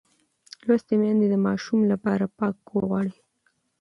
لوستې میندې د ماشوم لپاره پاک کور غواړي.